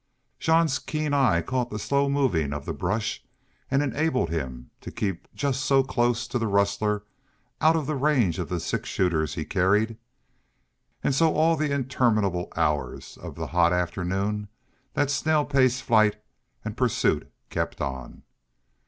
Jean's keen eye caught the slow moving of the brush and enabled him to keep just so close to the rustler, out of range of the six shooters he carried. And so all the interminable hours of the hot afternoon that snail pace flight and pursuit kept on.